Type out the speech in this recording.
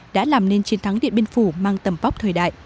đã làm nên chiến thắng địa biên phủ mang tầm phóc thời đại